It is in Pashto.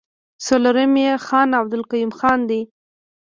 څلورم يې خان عبدالقيوم خان دی.